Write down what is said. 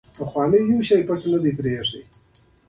ته ولي ولاړ يى مهرباني وکاه کشينه